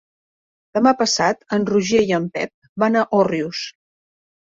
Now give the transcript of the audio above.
Demà passat en Roger i en Pep van a Òrrius.